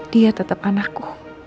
dia tetap anakku